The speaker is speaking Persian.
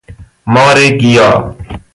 مار گیا